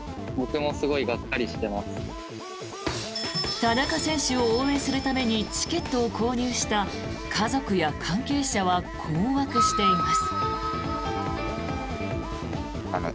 田中選手を応援するためにチケットを購入した家族や関係者は困惑しています。